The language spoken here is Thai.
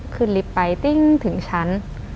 ลิฟต์ไปติ้งถึงชั้น